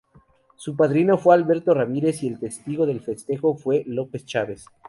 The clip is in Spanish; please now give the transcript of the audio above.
Su padrino fue Alberto Ramírez y el testigo del festejo fue López Chaves.